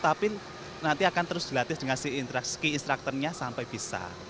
tapi nanti akan terus dilatih dengan ski instructornya sampai bisa